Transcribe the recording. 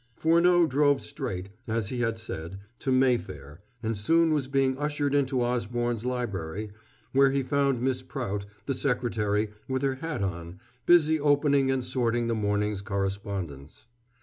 Furneaux drove straight, as he had said, to Mayfair, and soon was being ushered into Osborne's library, where he found Miss Prout, the secretary, with her hat on, busy opening and sorting the morning's correspondence.